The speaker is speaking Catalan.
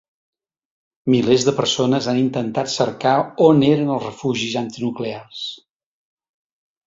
Milers de persones han intentat cercar on eren els refugis antinuclears.